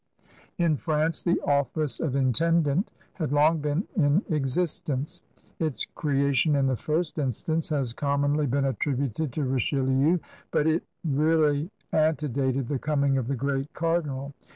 In France the office of intendant had long been in existence. Its creation in the first instance has commonly been attributed to Richelieu, but it really antedated the coming of the great car dinal.